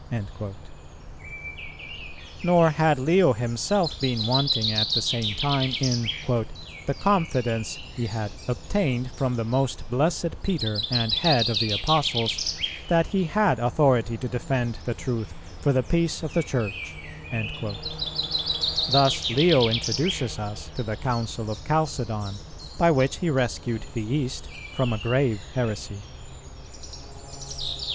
"[307:3] Nor had Leo himself been wanting at the same time in "the confidence" he had "obtained from the most blessed Peter and head of the Apostles, that he had authority to defend the truth for the peace of the Church."[308:1] Thus Leo introduces us to the Council of Chalcedon, by which he rescued the East from a grave heresy.